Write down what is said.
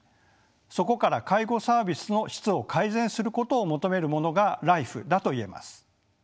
そこから介護サービスの質を改善することを求めるものがＬＩＦＥだと言えます。